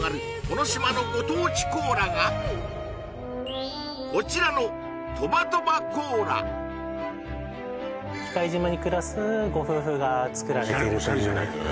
この島のご当地コーラがこちらの喜界島に暮らすご夫婦が作られているというオシャレじゃないのよ